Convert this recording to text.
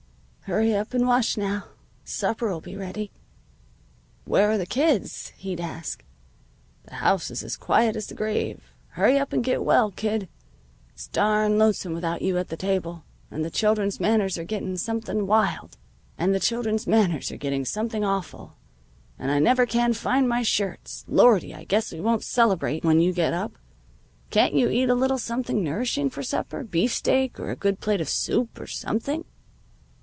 "'Hurry up and wash, now. Supper'll be ready.' "'Where are the kids?' he'd ask. 'The house is as quiet as the grave. Hurry up and get well, kid. It's darn lonesome without you at the table, and the children's manners are getting something awful, and I never can find my shirts. Lordy, I guess we won't celebrate when you get up! Can't you eat a little something nourishing for supper beefsteak, or a good plate of soup, or something?'